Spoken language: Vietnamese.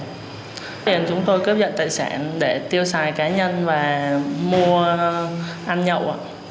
hôm nay chúng tôi cướp dật tài sản để tiêu xài cá nhân và mua ăn nhậu